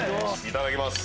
いただきます。